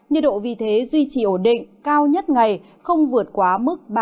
nhiệt độ vì thế duy trì ổn định cao nhất ngày không vượt quá mức ba mươi ba